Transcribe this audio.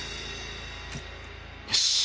よし！